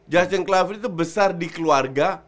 justin clouver itu besar di keluarga